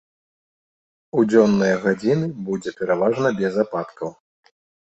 У дзённыя гадзіны будзе пераважна без ападкаў.